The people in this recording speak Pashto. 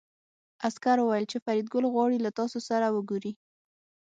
عسکر وویل چې فریدګل غواړي له تاسو سره وګوري